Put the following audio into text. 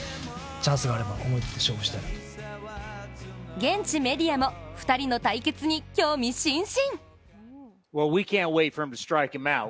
現地メディアも２人の対決に興味津々！